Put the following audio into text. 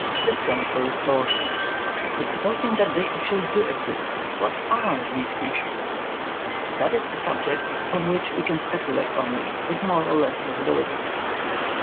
The stones were restored. But supposing that they actually do exist, what are these creatures? That is a subject upon which we can speculate only with more or less plausibility.